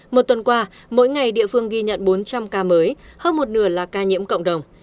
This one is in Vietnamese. một tuần qua mỗi ngày địa phương ghi nhận bốn trăm linh ca mới hơn một nửa là ca nhiễm cộng đồng